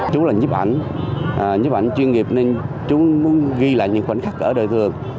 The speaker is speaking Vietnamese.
chú là nhấp ảnh nhấp ảnh chuyên nghiệp nên chú muốn ghi lại những khoảnh khắc ở đời thường